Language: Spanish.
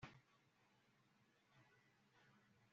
El daño relativo a hígado y riñones es variable.